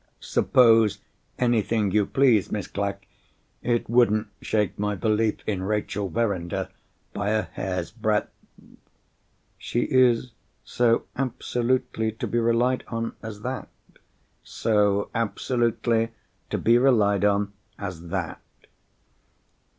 "Suppose anything you please, Miss Clack, it wouldn't shake my belief in Rachel Verinder by a hair's breadth." "She is so absolutely to be relied on as that?" "So absolutely to be relied on as that."